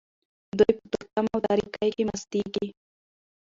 دوی په تورتم او تاریکۍ کې مستیږي.